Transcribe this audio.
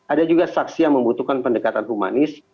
ada juga saksi yang membutuhkan pendekatan humanis